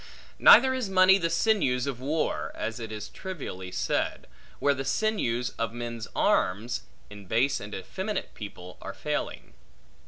Neither is money the sinews of war (as it is trivially said), where the sinews of men's arms, in base and effeminate people, are failing.